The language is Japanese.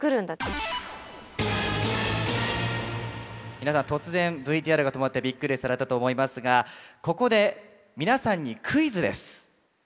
皆さん突然ＶＴＲが止まってびっくりされたと思いますがここで皆さんにクイズです。